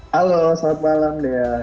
halo selamat malam dea